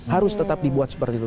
harus tetap dibuat seperti itu